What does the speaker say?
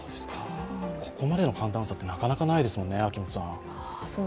ここまでの寒暖差ってなかなかないですもんね。